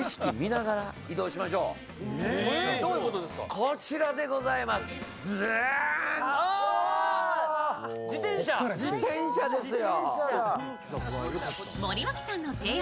こちらでございます、ズッズーン、自転車ですよ。